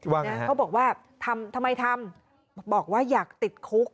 เขาบอกว่าทำทำไมทำบอกว่าอยากติดคุก